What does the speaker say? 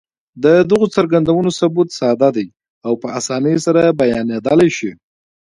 د دغو څرګندونو ثبوت ساده دی او په اسانۍ سره بيانېدلای شي.